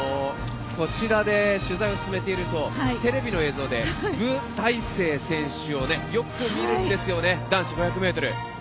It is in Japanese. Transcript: こちらで取材を進めているとテレビの映像で武大靖選手をよく見るんです、男子５００ｍ。